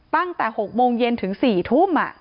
ตั้งแต่๖โมงเย็นถึง๔ทุ่ม